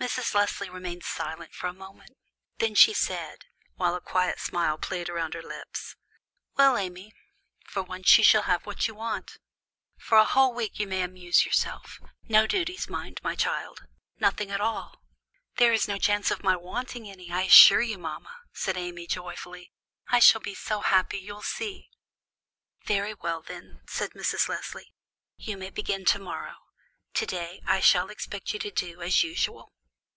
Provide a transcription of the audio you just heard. Mrs. Leslie remained silent for a moment; then she said, while a quiet smile played round her lips, "Well, Amy, for once you shall have what you want. For a whole week you may amuse yourself; no duties, mind, my child, none at all." "There is no chance of my wanting any, I assure you, mama," said Amy, joyfully; "I shall be so happy, you'll see!" "Very well, then," said Mrs. Leslie; "you may begin to morrow. To day I shall expect you to do as usual."